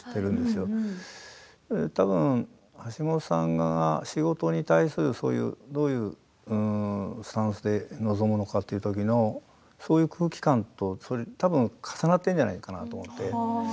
たぶん、橋本さんが仕事に対するどういうスタンスで臨むのかというときのそういう空気感と、たぶん重なっているんじゃないかなと思って。